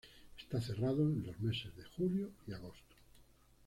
Está cerrado en los meses de julio y agosto.